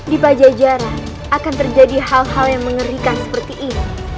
di pajajaran akan terjadi hal hal yang mengerikan seperti ini